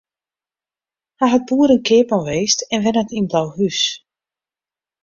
Hy hat boer en keapman west en wennet yn Blauhús.